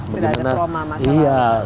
sudah ada trauma masyarakat